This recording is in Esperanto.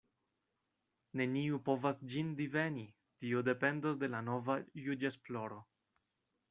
Neniu povas ĝin diveni: tio dependos de la nova juĝesploro.